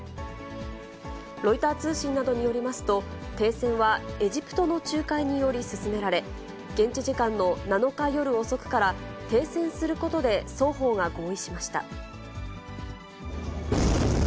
ロイター通信などによりますと、停戦はエジプトの仲介により進められ、現地時間の７日夜遅くから停戦することで双方が合意しました。